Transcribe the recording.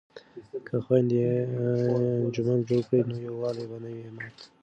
که خویندې انجمن جوړ کړي نو یووالی به نه وي مات.